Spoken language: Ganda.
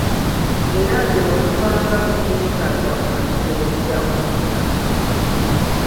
Era nze bwe mubanga munneetaaga omanyi gy'oyinza okunsanga.